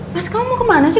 mas kamu mau kemana sih